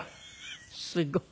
すごい。